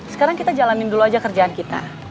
sekarang kita jalanin dulu aja kerjaan kita